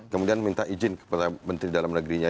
kemudian minta izin kepada menteri dalam negerinya